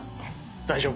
大丈夫。